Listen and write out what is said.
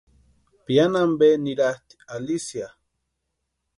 Piani ampe niratʼi Alicia.